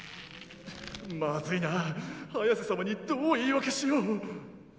まずいなァハヤセ様にどう言い訳しようッ。